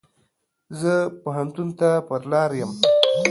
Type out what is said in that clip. زه هم پو هنتون ته پر لار يم.